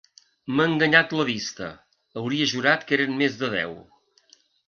M'ha enganyat la vista: hauria jurat que eren més de deu.